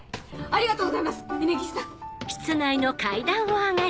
ありがとうございます峰岸さん。